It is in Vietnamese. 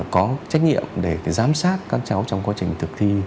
có trách nhiệm để giám sát các cháu trong quá trình thực thi